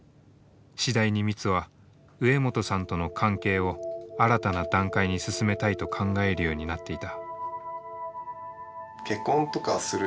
次第にミツは植本さんとの関係を新たな段階に進めたいと考えるようになっていた。